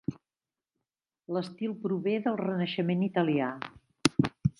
L'estil prové del renaixement italià.